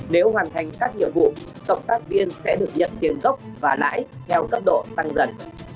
nếu hoàn thành các nhiệm vụ cộng tác viên sẽ được nhận tiền gốc và lãi theo tốc độ tăng dần